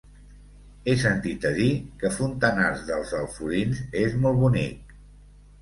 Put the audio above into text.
He sentit a dir que Fontanars dels Alforins és molt bonic.